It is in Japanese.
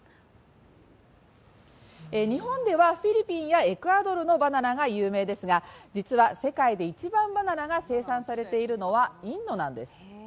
日本ではフィリピンやエクアドルのバナナが有名ですが、実は、世界で一番バナナが生産されているのはインドなんです。